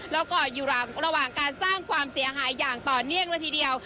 แล้วก็อยู่ระหว่างการสร้างความเสียหายอย่างต่อเนื่องเลยทีเดียว